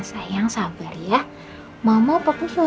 kita ketepen mama papa yuk